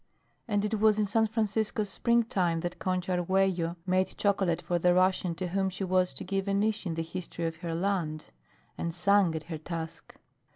And it was in San Francisco's springtime that Concha Arguello made chocolate for the Russian to whom she was to give a niche in the history of her land; and sang at her task.